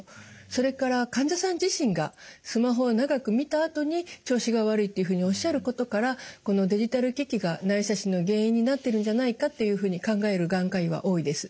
それから患者さんが自身がスマホを長く見たあとに調子が悪いっていうふうにおっしゃることからこのデジタル機器が内斜視の原因になってるんじゃないかっていうふうに考える眼科医は多いです。